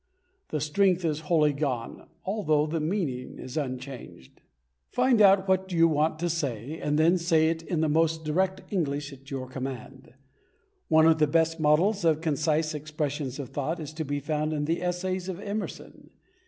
The strength is wholly gone although the meaning is unchanged. Find out what you want to say, and then say it, in the most direct English at your command. One of the best models of concise expressions of thought is to be found in the essays of Emerson.